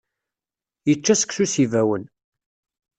Yečča seksu s yibawen.